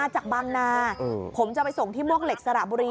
จากบางนาผมจะไปส่งที่มวกเหล็กสระบุรี